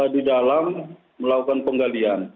di dalam melakukan penggalian